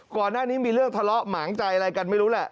ก่อนหน้านี้มีเรื่องทะเลาะหมางใจอะไรกันไม่รู้แหละ